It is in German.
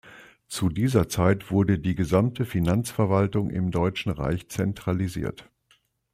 Zu dieser Zeit wurde die gesamte Finanzverwaltung im Deutschen Reich zentralisiert.